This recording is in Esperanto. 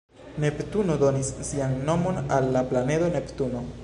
Neptuno donis sian nomon al la planedo Neptuno.